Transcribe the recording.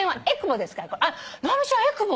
あっ直美ちゃんえくぼ。